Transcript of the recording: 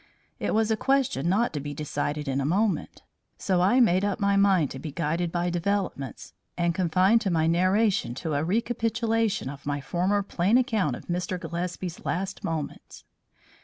It was a question not to be decided in a moment, so I made up my mind to be guided by developments, and confined my narration to a recapitulation of my former plain account of Mr. Gillespie's last moments.